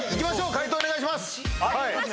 解答お願いします。